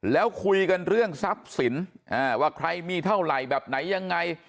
แล้วคุยกันเรื่องทรัพย์สินว่าใครมีเท่าไหร่แบบไหนยังไง